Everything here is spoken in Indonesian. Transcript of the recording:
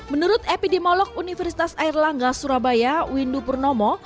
menurut epidemiolog universitas airlangga surabaya windu purnomo